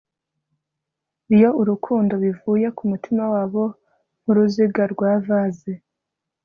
iyo urukundo, bivuye kumutima wabo, nkuruziga rwa vase